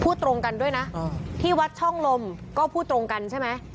ตรงกันด้วยนะที่วัดช่องลมก็พูดตรงกันใช่ไหม